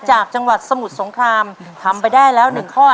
จากจังหวัดสมุทรสงครามทำไปได้แล้ว๑ข้อ